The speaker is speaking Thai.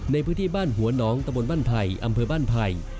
ในพื้นที่บ้านหัวหนองตะบนบ้านไผ่อำเภอบ้านไผ่